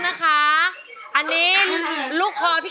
ขอให้โชคดีนะตั้งใจร้องให้เต็มที่